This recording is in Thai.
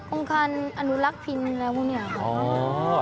โครงการอนุลักษณ์พินแล้วพวกเนี่ย